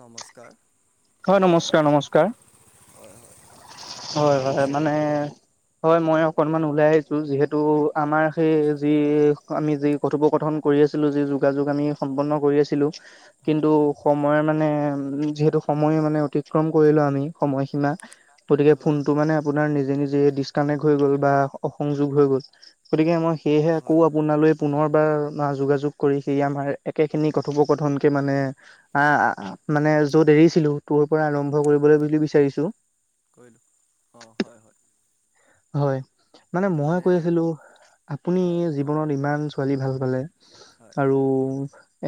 নমস্কাৰ। হয় নমস্কাৰ, নমস্কাৰ। হয়, হয়। কি হয়, হয় কৰিছে? মানে হয় মই অকণমান ওলাই আহিছো। যিহেতু আমাৰ সেই যি আমি যি কথোপকথন কৰি আছিলো যি যোগাযোগ আমি সম্পন্ন কৰি আছিলো কিন্তু হয়। সময় মানে উ যিহেতু সময়ে মানে অতিক্ৰম কৰিলো আমি সময়সীমা। গতিকে হয় ফোনটো মানে আপোনাৰ নিজে নিজেই ডিচকানেক্ট হৈ গ'ল বা অসংযোগ হৈ গ'ল। গতিকে মই সেয়েহে আকৌ হয় হয় আপোনালৈ পুনৰবাৰ যোগাযোগ কৰি সি আমাৰ একেখিনি কথোপকথনকে মানে আ আ- আ মানে য'ত এৰিছিলো ত'ৰ পৰা আৰম্ভ কৰিবলৈ উম বুলি বিচাৰিছো। কৰিলোঁ, অ', হয়-হয়। হয়, মানে মই কৈ আছিলো, আপুনি হয় কওক জীৱনত ইমান ছোৱালী ভাল পালে। হয়। আৰু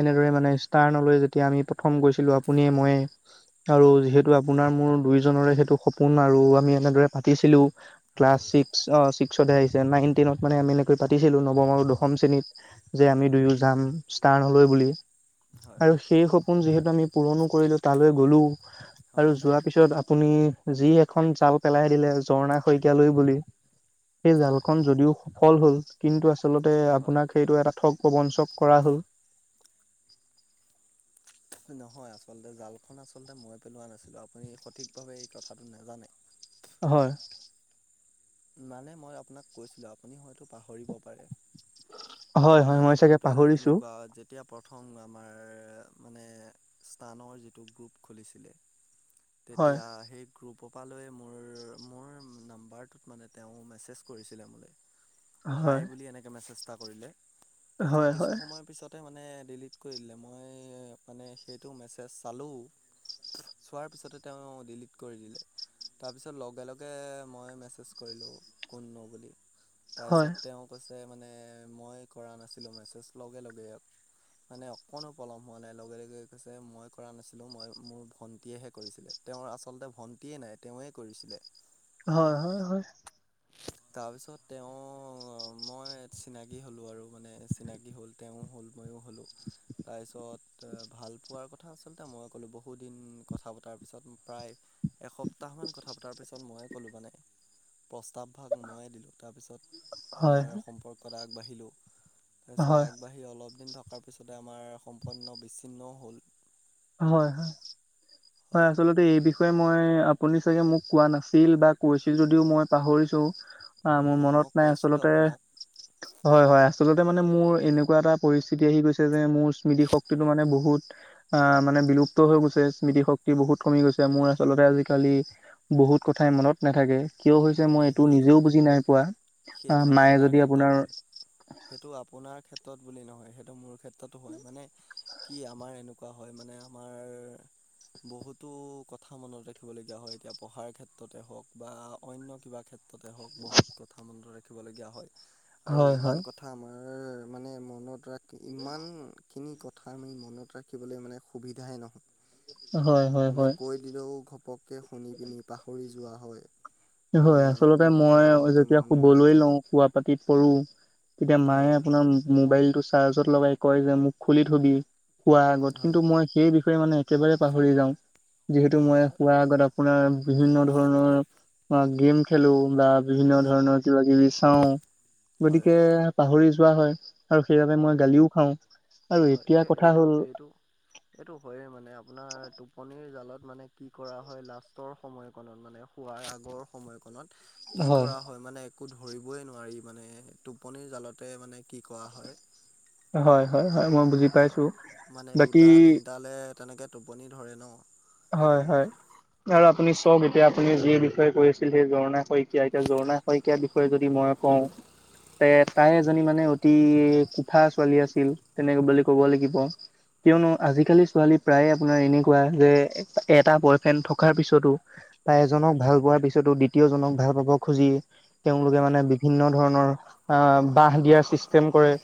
এনেদৰে মানে ষ্টাৰ্ণলৈ যেতিয়া আমি প্ৰথম গৈছিলো আপুনিয়ে মইয়ে আৰু হয় যিহেতু আপোনাৰ মোৰ দুই জনৰে সেইটো সপোন আৰু আমি এনেদৰে পাতিছিলো। হয় ক্লাছ হয় ছিক্স অ', ছিক্সতহে আহিছে নাইন টেনত মানে আমি এনেকৈ পাতিছিলো নৱম আৰু দশম হয় শ্ৰেণীত। যে হয় আমি হয় দুয়ো যাম, ষ্টাৰ্ণলৈ বুলি। হয় আৰু সেই সপোন যিহেতু আমি পুৰণো কৰিলো তালৈ গ'লো। হয় হয় আৰু যোৱা পিছত আপুনি যি এখন জাল পেলাই দিলে ঝৰ্ণা শইকীয়ালৈ বুলি। সেই জালখন যদিও ফল হ'ল, কিন্তু আচলতে হয় আপোনাক সেইটো এটা ঠগ প্ৰবঞ্চক কৰা হ'ল। নহয় আচলতে জালখন আচলতে মই পেলোৱা নাছিলো, আপুনি সঠিকভাৱে এই কথাটো নাজানে। হয়। মানে মই আপোনাক কৈছিলোঁ, আপুনি হয়তো পাহৰিব পাৰে। হয়, হয়, মই মানে চাগে কথাটো পাহৰিছো। এনেকুৱা যে যেতিয়া প্ৰথম আমাৰ মানে স্তানৰ যিটো গ্ৰুপ খুলিছিলে [inaudible] তেতিয়া সেই গ্ৰুপৰ পা লৈ মোৰ-মোৰ নাম্বাৰ টোত মানে তেওঁ মেছেজ কৰিছিলে মোলে, হয়, হাই বুলি এনেকে মেছেজ এটা কৰিলে। তাৰপিছত হয়, হয়, কিছু সময়ৰ পিছত তে মানে ডিলিট কৰি দিলে, মই মানে সেইটো মেছেজ চালোঁ। চোৱাৰ পিছতে তেওঁ ডিলিট কৰি দিলে, তাৰপিছত লগে- লগে মই মেছ [unintelligible] কৰিলোঁ কোননো বুলি, হয়, হয়, তাৰপিছত তেওঁ কৈছে তে মানে মই কৰা নাছিলোঁ মেছেজ, লগে- লগে [unintelligible] মানে অকণো পলম হোৱা নাই লগে- লগে কৈছে, মই কৰা নাছিলোঁ মই মোৰ ভণ্টীয়েহে কৰিছিলে। তেওঁৰ আচলতে ভণ্টিয়েই নাই, তেওঁৱে কৰিছিলে। হয় হয়- হয়। তাৰপিছত তেওঁ মই চিনাকী হ'লোঁ আৰু মানে, চিনাকী হ'ল। তেওঁ হ'ল ময়ো হ'লোঁ। তাৰপিছত ভাল পোৱাৰ কথা আচলতে মই ক'লোঁ, বহুদিন কথা পতাৰ পিছত প্ৰায় এসপ্তাহ মান কথা পতাৰ পিছত মইয়ে ক'লো মানে, প্ৰস্তাৱ ভাগ ময়ে দিলোঁ, তাৰপিছত আমাৰ হয়, সম্পৰ্ক এটা আগবাঢ়িলোঁ, তাৰপিছত হয়, আগ বাহি অলপ দিন থকাৰ পিছতে আমাৰ সম্পন্ন বিচ্ছিন্নও হ'ল। হয় হয় হয় আচলত- এই বিষয়ে মই আপুনি চাগে মোক কোৱা নাছিল বা কৈছিল যদিও মই পাহৰিছো। আ হয় মোৰ হয় মই মনত নাই কৈছিলোঁ আচলতে। আপোনাক হয় হয় আচলতে মানে মোৰ এনেকুৱা এটা পৰিস্থিতি আহি গৈছে যে মোৰ স্মৃতি শক্তিটো মানে বহুত অ মানে বিলুপ্ত হৈ গৈছে স্মৃতিশক্ত- বহুত কমি গৈছে মোৰ আচলতে আজিকালি বহুত কথাই মনত নাথাকে। কিয় হৈছে মই নহয় এইটো সেইটো নিজেও বুজি নাই পোৱা সেইটো মায়ে যদি ক্ষেত্ৰত আপোনাৰ বুলি সেইটো আপোনাৰ ক্ষেত্ৰত বুলি নহয় সেইটো মোৰ ক্ষেত্ৰতো হয় মানে কি আমাৰ এনেকুৱা হয় মানে আমাৰ বহুতো কথা মনত ৰাখিবলগীয়া হয় এতিয়া পঢ়াৰ ক্ষেত্ৰতে হওঁক বা অন্য কিবা ক্ষেত- ততে হওক বহুত কথা মনত ৰাখিবলগীয়া হয় আৰু হয় ইমান হয় কথ- কথা আমাৰ মানে মনত ৰাখ ইমান খিনি কথা আমি মনত ৰাখিবলে মানে সুবিধাই হয় নহয়। হয় মানে হয় কৈ দিলৌ ঘপককে শুনি পিনি পাহৰি যোৱা হয়। মানে হয় আচলতে কোনো কথা মই এনেকৈ যেতিয়া মনত শুবলৈ নাৰাখে লওঁ শুৱাব পাতি পৰো তেতিয়া হয় মায়ে আপোনাম মোবাইল টো চাৰ্জত লগাই কয় যে মোক খুলি থবি খোৱাৰ আগত হয় কিন্তু মই সেই বিষ- মানে একেবাৰে পাহৰি যাওঁ যিহেতু মই হয় হয় শুৱাৰ আগত আপোনাৰ বিভিন্ন ধৰণৰ বা গেম খেলো বা বিভিন্ন হয় ধৰণৰ কিবা কিবি চাওঁ, হয় গতিকে পাহৰি যোৱা হয় আৰু সেইবাবে মই হয় গালিও খাওঁ। আৰু হয় এতিয়া এই কথা এইটো হ'ল এইটো এইটো হয়েই মানে আপোনাৰ টোপনিৰ জালত মানে কি কৰা হয় লাষ্টৰ সময়কণত মানে শুৱাৰ আগৰ সময়কণত কি কৰা হয় মানে একো ধৰিবই নোৱাৰি মানে টোপনিৰ জালতে মানে কি কৰা হয়। হয় হয় হয় মই বুজি পাইছোঁ। বাকী লে তেনেকে টোপনি ধৰে ন। হয় হয়। আৰু আপুনি চওক এতিয়া আপুনি যি বিষয়ে কৈ আছিল সেই জৰ্ণা শইকিয়া এতিয়া জৰ্ণা শইকীয়া বিষয়ে যদি মই কওঁ। তে হয় তাই এজনী মানে অতি কুঠা ছোৱালী আছিল তেনেকে বুলি ক'ব লাগিব। কিয়নো হয় আজিকালি ছোৱালী প্ৰায়ে আপোনাৰ এনেকুৱা যে এটা বয়ফ্ৰেণ্ড থকাৰ পিছতো বা হয় এজনক ভাল পোৱাৰ পিছ- টো দ্বিতীয়জনক ভাল পাব খুজি তেওঁলোকে মানে বি- ভিন্ন ধৰণৰ অ বাহ দিয়া সৃষ্ট- ছেম কৰে।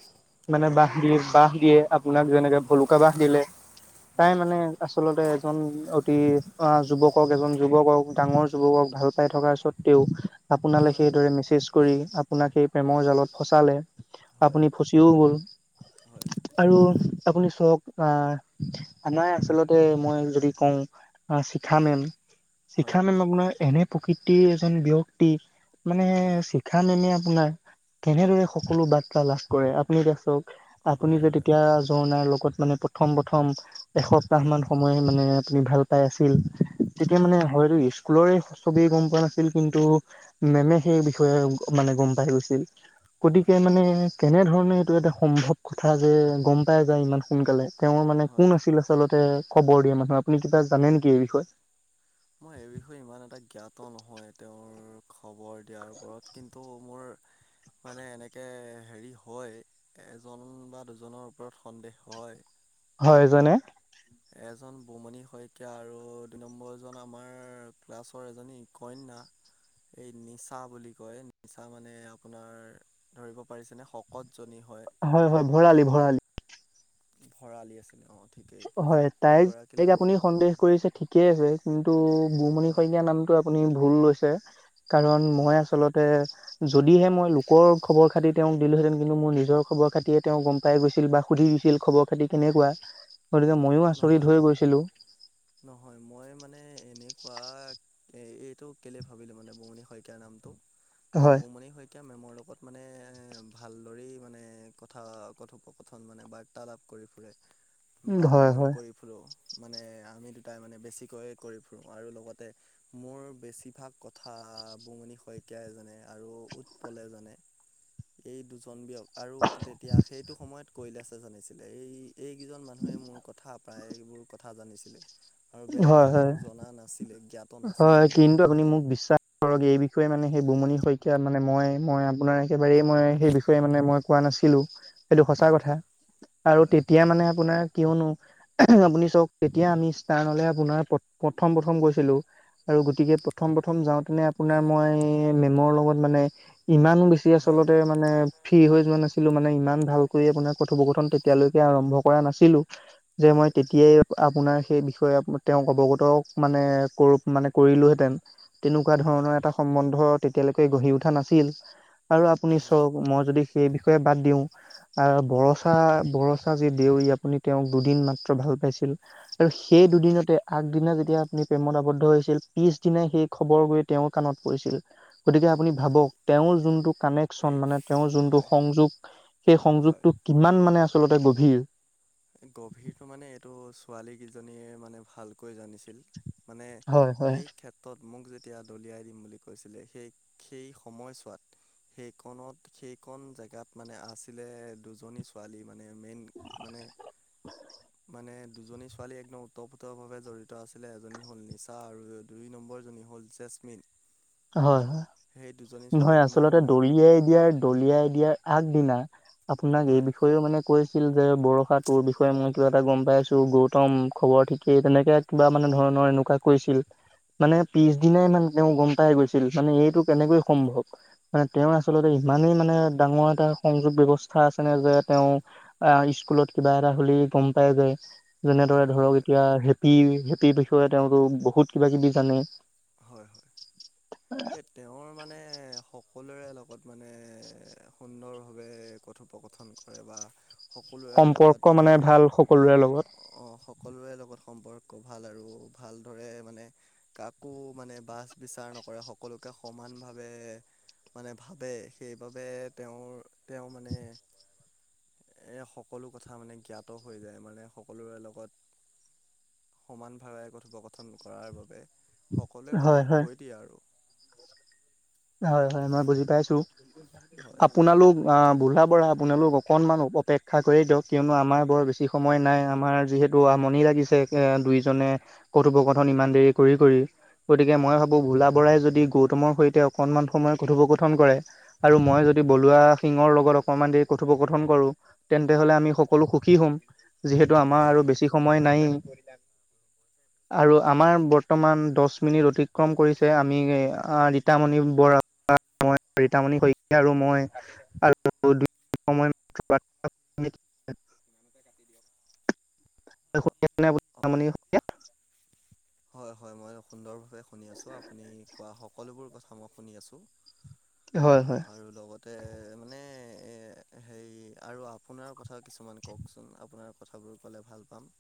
মানে হয় বাঁহ দিয়ে বাঁহ দিয়ে আপোনাক যেনেকে ভলুকা বাঁহ দিলে। হয় তাই মানে আচলতে এজন অতি আহ যুৱকক এজন যুৱকক ডাঙৰ যুৱকক ভাল পাই থকাৰ স্বত্বেও আপোনালে হয় সেই দৰে মেছেজ কৰি আপোনাকে প্ৰেমৰ জালত ফচালে। হয় হয় আপুনি ফুচিও গ'ল। হয় আৰু আপুনি চক আহ নাই আচলতে মই ল- দি কওঁ হয় শিখামেম হয় শিখামেমক ন এনে প্ৰকৃতিৰ এজন ব্যক্তি মানে হয় শিখা মেমে আপোনাৰ কেনেদৰে সকলো বাৰ্তা লাভ কৰে আপুনি এতিয়া চক আপুনি হয় যে হয় তেতিয়া জঝোৰণাৰ লগত মানে প্ৰথম প্ৰথম এসপ্তাহ হয়, মান সময় মানে তুমি ভাল পাই আছিল। তেতিয়া হয়, মানে হয়তো স্কুলৰে চবেই গম পোৱা নাছিল কিন্তু মেমে সেই বিষয়ে মানে গম পাই গৈছিল। হয়, গতিকে হয়, মানে কেনেধৰণে এইটো এটা সম্ভৱ কথা যে গম পাই যায় ইমান সোনকালে তেওঁৰ মানে হয় কোন আছিল আচলতে খবৰ দিয়া মানুহ আপুনি কিবা জানে নেকি এই বিষয়ে? মই এই বিষয়ে ইমান এটা জ্ঞাত নহয় তেওঁৰ খবৰ দিয়াৰ ওপৰত কিন্তু মোৰ মানে এনেকে হেৰি হয়, এজন বা দুজনৰ ওপৰত সন্দেহ হয়। হয় ইজনে এজন বোমণি শইকীয়া আৰু দুই নম্বৰজন আমাৰ ক্লাছৰ এজনী কন্যা এই নিচা বুলি কয় নিচা মানে আপোনাৰ ধৰিব পাৰিছে নে শকতজনী হয়। হয় হয় ভৰালি ভৰালি। ভৰালী আছিলে অ। ঠিকেই হয় তাইক সেইগৰাকীলে তাইক আপুনি অলপ সন্দেহ কৰিছে ঠিকে আছে কিন্তু বুমণি হয় শইকীয়া নামটো আপ- পুনি ভুল লৈছে কাৰণ মই হয় আচলতে যদিহে মই লোকৰ খবৰ খাতি তেওঁ দিলোহেঁতেন কিন্তু মোৰ নিজৰ খবৰ খাতিয়ে তেওঁ গম পাই গৈছিল বা সুধি দিছিল খবৰ খাতি কেনেকুৱা গতিকে হয় ময়ো নহয় আচৰিত হৈ নহয় গৈছিলোঁ। নহয় মই মানে এনেকোৱাক এ এইটো কেলে ভাবিলো মানে বৌমণি শইকীৰ নামটো মানে হয় বৌমণি শইক- এতিয়া মেমৰ লগত মানে ভালদৰেই মানে কথা কথোপকথন মানে বাত- ৰ্তালাপ কৰি ফুৰে। [inaudible] বা ময়ো হয় কৰি ফুৰোঁ মানে আমি দুটাই মানে বেছিকৈয়ে কৰি ফুৰোঁ আৰু লগতে মোৰ বেছিভাগ কথা বুমণি শইকীয়াই জানে আৰু উৎপলে জানে। এই দুজন ব্যয় আৰু তেতিয়া সেইটো সময়ত কৈলাসে জানিছিলে এই এইকেইজন মানুহে মোৰ কথা প্ৰায়বোৰ কথা জানিছিলে। আৰু বেলেগ হয় কোনেও হয় জনা নাছিলে জ্ঞাত নাছিলে হয় মোৰ কিন্তু ওপৰত আপুনি মোক বিশ্বা- কৰক এই বিষয়ে মানে সেই বৌমণি শইকীয়া মানে মই, মই আপোনাৰ একেবাৰেই মই সেই বিষয়ে মানে মই কোৱা নাছিলো সেইটো সঁচা হয় কথা আৰু হয় তেতিয়া মানে আপোনাৰ কিয়নো আপুনি চাওক তেতিয়া আমি ষ্টাৰ হলে আপোনাৰ প্ৰথম প্ৰথম গৈছিলো। আৰু গতিকে প্ৰথম প্ৰথম যাওঁতেনে আপোনাৰ হয় মই মেমৰ লগত মানে ইমানো বেছ- হয় আচলতে মানে ফ্ৰী হৈ মানে মানে ইমান ভালকে আপোনাৰ কথোপকথন তেতিয়ালৈকে আৰম্ভ কৰা নাছিলো যে মই হয় তেতিয়াই আপোনাৰ সেই বিষয়ে তেওঁক অৱগত মানে কৰো মানে কৰিলোহেঁতেন। তেনেকুৱা হয় ধৰণৰ এটা সম্বন্ধ তেতিয়ালৈকে গঢ়ি উঠা নাছিল আৰু আপুনি হয় হয় ধৰক মই যদি সেই বিষয়ে বাদ দিওঁ আ হয় বছ হা বৰচা যি দেউৰী আপুনি তেওঁক দুদিন মাত্ৰ ভাল পাইছিল আৰু সেই হয় হয় দুদিনতে আগদিনা যেতিয়া আপুনি প্ৰেমত আৱদ্ধ হৈছিল পিছদিনা সেই খবৰ গৈ তেওঁৰ কাণত পৰিছিল। গতিকে আপুনি হয় ভাবক তেওঁৰ যোনটো কানেকচন এই মানে তেওঁৰ যোনটো হয় সংযোগ সেই হয় সংযোগটো কিমান মানে আচলতে গভীৰ। গভীৰটো মানে এইটো ছোৱালীকেইজনীয়ে মানে ভালকৈ জানিছিল। মানে হয় হয়। সেই ক্ষেত- তত মোক যেতিয়া দলিয়াই দিম বুলি কৈছিলে, সেই সেই সময়ছোৱাত সেইকন সেইকন জেগাত মানে আছিলে দুজনী ছো- পোৱালি মানে মেইন মানে [inaudible] মানে দুজনী ছোৱালী একদম ওতঃপ্ৰোত ভাৱে জড়িত আছিলে এজনী হ'ল নিচা আৰু দুই নম্বৰজনী হ'ল জেচমিন। হয় হয় সেই দুজনী নহয় ছোৱালীক মই আচলতে মই দলিয়ে দিয়াৰত দলিয়াই দিয়াৰ আগদিনা আপোনাক এই হয় বিষ- কৰিব মানে কৈছিল যে বৰষা ৰ বিষয়ে মই কিবা এটা গম পাইছোঁ গৌতম খবৰ ঠিকে তেনেকে বা মানে ধৰণৰ এনেকুৱা কৰিছিল, মানে পিছ দিনাই মানে তেওঁ গম পাই গৈছিল মানে এইটো কেনেকৈ সম্ভৱ। মানে তেওঁৰ আচলতে ইমানেই মানে ডাঙৰ এটা সংযোগ ব্যৱস্থা আছেনে যে তেওঁ আ স্কুলত কিবা এটা হলে গম পাই যায়। যেনেদৰে হয় ধৰক হয় এতিয়া হেপি, হেপিৰ বিষয়ে তেওঁলোক বহুত কিবা কিবি জানে। হয় হয়। [inaudible] এ তেওঁৰ মানে সক- সকলোৰে লগত মানে সুন্দৰভাৱে কথোপকথন কৰে বা সকলোৰে সম্পৰ্ক লগত মানে ভাল সকলোৰে লগত অ সকলোৰে লগত সম্পৰ্ক ভাল আৰু ভালদৰে মানে কাকো মানে বাছ বিচাৰ নকৰে, সক- সকলোকে সমানভাৱে মানে ভাবে সেইবাবে তেওঁৰ তেওঁ মানে এই সকলো কথা মানে জ্ঞাত হৈ যায় মানে সকলোৰে লগত সমানভাৱে কথোপকথন কৰাৰ বাবে সকলোৱে হয় কথাবোৰ হয় কৈ দিয়ে আৰু। হয় হয় মই বুজি পাইছো হয় আপোনালোক অ বুঢ়া বঢ়া আপোনালোক অকণমান অপেক্ষা কৰি দিয়ক কিয়নো আমাৰ বৰ বেছি সময় নাই আমাৰ যিহেত- টো আমনি লাগিছে এ দুইজনে কথোপকথন ইমান দেৰি কৰি কৰি গতিকে মই ভাবো ভোলা বৰাই যদি গৌতমৰ সৈতে অকনমান সময় কথোপকথন কৰে। আৰু মই যদি বলুৱা সিঙৰ লগত অকণমান দেৰি কথোপকথন কৰো। তেন্তে হলে আমি সকলো সুখী হম যিহেতু আমাৰ হয় আৰু বেছি হয় সময় নাই। [inaudible] আৰু আমাৰ বৰ্তমান দহ মিনিট অতিক্ৰম কৰিছে আমি ৰীতামণি বৰা মই ৰীতামণি শইকীয়া আৰু মই [unintelligible] [unintelligible] হয় হয় মই সুন্দৰভাৱে শুনি আছোঁ, আপুনি কোৱা সকলোবোৰ কথা মই শুনি আছোঁ। হয় হয়। আৰু লগতে মানে এ সেই আৰু আপোনাৰ কথা কিছুমান কওক চোন আপোনাৰ কথাবোৰ ক'লে ভাল পাম।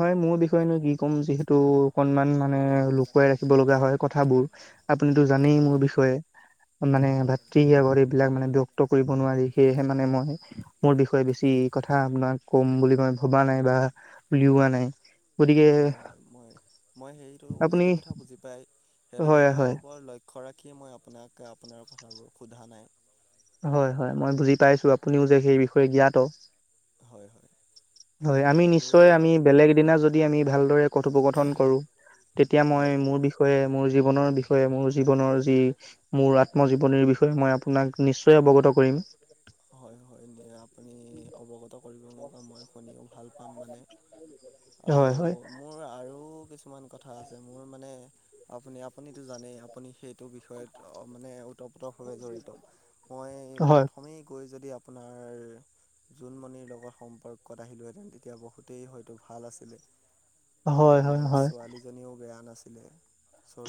হয় মোৰ বিষয়েনো কি ক'ম যিহেতু অকনমান মা- মানে লুকুৱাই ৰাখিব লগা হয় কথাবোৰ আপুনিতো জানেই হয় মোৰ বিষয়ে। মানে হয় ভাতৃ আগৰ এইবিলাক মানে ব্যক্ত কৰিব নোৱাৰি সেয়েহে মানে মই মোৰ বিষয়ে বেছি কথা আপোনাক কম বুলি মই ভবা নাই বা উলিওৱা নাই। গতিকে হয় হয় মই, মই সেইটো আপুনি সেইটো কথা বুজি পাই সেইটো হয় হয় কথাৰ ওপৰত লক্ষ- খৰাকীয়ে মই আপোনাক আপোনাৰ কথাবোৰ সোধা নাই। হয় হয় মই বুজি পাইছো আপুনিও যে সেই বিষয়ে জ্ঞাত। হয় হয়। মই হয় আমি সেইবাবেই নিশ্চয় আমি আপ- বেলেগ দিনা যদি আমি ভালদৰে কথোপকথন কৰোঁ। তেতিয়া মই হয় মোৰ বিষয়ে মোৰ জীৱনৰ বিষয়ে মোৰ জীৱনৰ যি মোৰ আত্মজীৱনীৰ বিষয়ে মই আপোনাক নিশ্চয় অৱগত কৰিম। হয় হয় নিয়া আপুনি অৱগত কৰিব মও মই শুনিও ভাল পাম মানে। হয় আৰু হয় মোৰ আৰু কিছুমান কথা আছে। মোৰ মানে আপুনি আপুনিতো জানেই আপ- আপুনি সেইটো বিষয়ত মানে ওতঃপ্ৰোতভাৱে জড়িত। মই হয় প্ৰথমেই কৈ যদি আপোনাৰ জোনমণিৰ লগত সম্পৰ্কত আহিলোহেতেন তেতিয়া বহুতেই হয়তো ভাল আছিলে। হয় তেওঁ হয় হয় ছোৱালীজনীও বেয়া নাছিলে।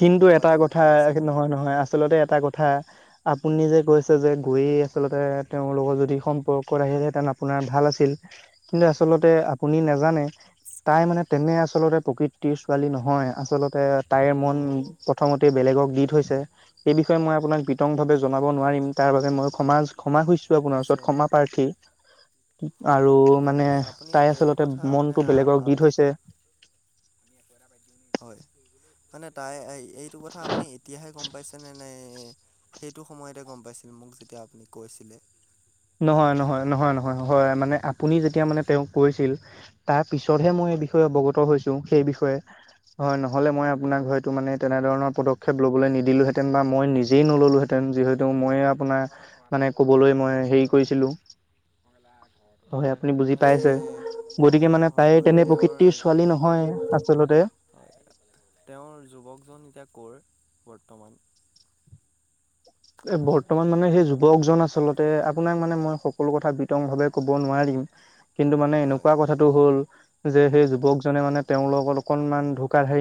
কিন্তু এটা পাতিও কথা ভাল আছিলে নহয় নহয় আচলতে এটা কথা আপুনি যে কৈছে যে গৈ আচলতে তেওঁৰ লগত যদি সম্পৰ্কত আহিলেহেঁতেন। আপ- আপোনাৰ ভাল আছিল, কিন্তু হয় আচলতে আপুনি নাজানে তাই মানে তেনে আচলতে প্ৰকৃতিৰ ছোৱালী নহয় আচলতে তাইৰ মন প্ৰথমতে বেলেগক দি থৈছে সেই বিষয়ে মই আপোনাক বি- তং ভাৱে জনাব নোৱাৰিম তাৰ বাবে মই ক্ষমাজ ক্ষমা হৈছো আপোনাৰ অৱশ্যে ওচৰত ক্ষমা প্ৰাৰ্থী। আৰু মানে আপুনি আপুনি তাই সেইটো আচলতে কথা মানে মনতটো বেলেগক দি থৈছে। [unintelligible] হয় মানে তাই এইটো কথা আপুনি এতিয়াহে গম পাইছে নে নে সেইটো সময়তে গম পাইছিল মোক যেতিয়া আপুনি কৈছিলে। নহয় নহয় নহয় নহয় হয় মানে আপুনি যেতিয়া মানে তেওঁক কৈছিল তাৰ পিছতহে মই এই হয় বিষয়ে অৱগত হৈছো সেই বিষয়ে। হয় নহ'লে মই আপোনাক হয় হয়তো মানে তেনেধৰণৰ পদক্ষপ ল'বলৈ নিদিলোঁহেতেন বা মই নিজেই নলোঁতেন যিহেত- ত মইয়ে আপোনা মানে ক'বলৈ মই হেৰি হয় কৰিছিলোঁ। হয় আপুনি বুজি পাইছে, গতিকে মানে হয় তাই হয় তেনে তেওঁৰ প্ৰকৃতিৰ ছোৱালী নহয়। চলতে হয় তেওঁৰ যুৱকজন এতিয়া কৰ বৰ্তমান? এ বৰ্তমান মানে সেই যুৱকজন আচলতে আপোনাক মানে মই সক- সকলো কথা বিতংভাৱে ক'ব নোৱাৰিম কিন্তু মানে হয় এনেকুৱা কথ- থাটো হ'ল যে সেই যুৱকজনে মানে তেওঁ লগত অকনমান ধোকা ধাৰি